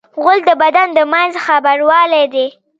غول د بدن د منځ خبروالی دی.